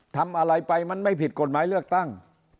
ทำอะไรไปมันไม่ผิดกฎหมายเลือกตั้ง